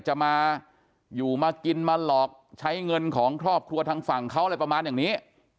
จะมาอยู่มากินมาหลอกใช้เงินของครอบครัวทางฝั่งเขาอะไรประมาณอย่างนี้